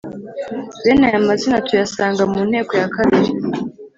bene aya mazina tuyasanga mu nteko ya kabiri